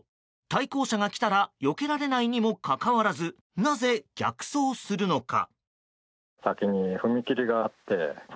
対向車が来たらよけられないにもかかわらずなぜ逆走するのか。